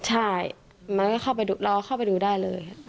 ใช่เราก็เข้าไปดูได้เลย